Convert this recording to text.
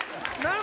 何？